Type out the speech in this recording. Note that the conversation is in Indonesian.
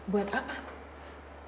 buat apa bu